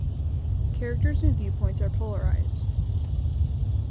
Characters and viewpoints are polarized.